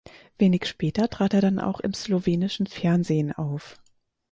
Wenig später trat er dann auch im slowenischen Fernsehen auf.